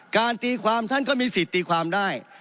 ตีความท่านก็มีสิทธิ์ตีความได้